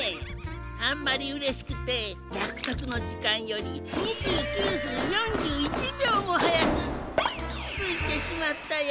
あんまりうれしくてやくそくのじかんより２９ふん４１びょうもはやくついてしまったよ。